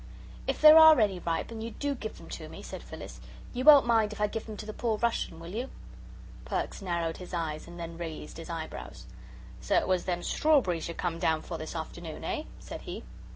"If there are any ripe, and you DO give them to me," said Phyllis, "you won't mind if I give them to the poor Russian, will you?" Perks narrowed his eyes and then raised his eyebrows. "So it was them strawberries you come down for this afternoon, eh?" said he.